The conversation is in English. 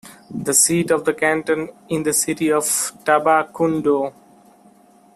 The seat of the canton is the city of Tabacundo.